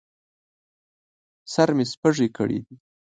سر مې سپږې کړي دي